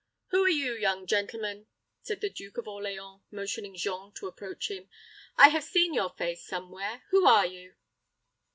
"Who are you, young gentleman?" said the Duke of Orleans, motioning Jean to approach him. "I have seen your face somewhere who are you?"